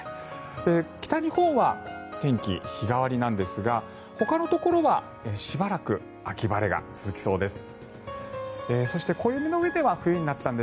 北日本は天気、日替わりなんですがほかのところはしばらく秋晴れが続きそうです。